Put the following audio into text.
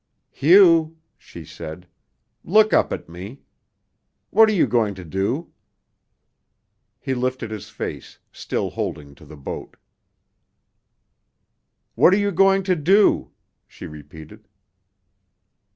"Hugh," she said, "look up at me. What are you going to do?" He lifted his face, still holding to the boat. "What are you going to do?" she repeated.